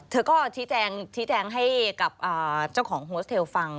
เธอก็ชี้แจงให้กับเจ้าของโฮสเทลฟัง